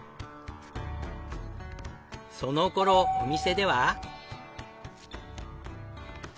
その頃お店では。